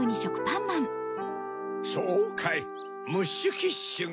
・そうかいムッシュ・キッシュが